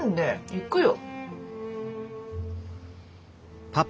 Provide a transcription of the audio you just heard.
行くよ。